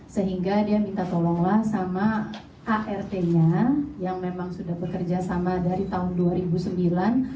sehingga dia minta tolonglah sama art nya yang memang sudah bekerja sama dari tahun dua ribu sembilan